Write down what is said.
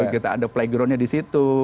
kita ada playgroundnya di situ